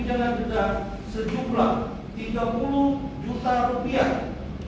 oleh karena itu dengan pidana denda sejumlah tiga puluh juta rupiah